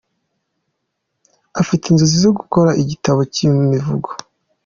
Afite inzozi zo gukora igitabo cy’ imivugo.